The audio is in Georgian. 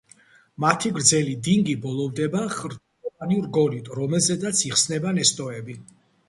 მათი გრძელი დინგი ბოლოვდება ხრტილოვანი რგოლით, რომელზედაც იხსნება ნესტოები.